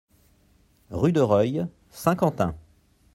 Rue de Reuil, Saint-Quentin